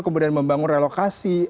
kemudian membangun relokasi